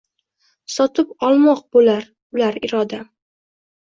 Sotib olmoq bo’lar ular irodam